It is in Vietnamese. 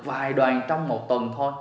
vài đoàn trong một tuần thôi